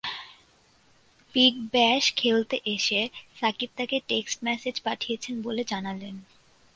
Big Bash খেলতে এসে সাকিব তাঁকে টেক্সট মেসেজ পাঠিয়েছেন বলে জানালেন।